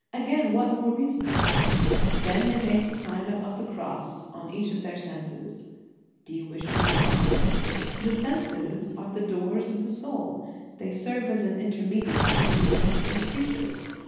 Again, what more reasonable? They then made the Sign of the Cross on each of their senses. Do you wish to. know why? The senses are the doors of the soul; they serve as intermedia between it and creatures.